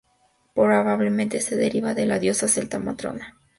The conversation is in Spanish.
Probablemente se deriva de la diosa celta Matrona, que fue adorada en la Galia.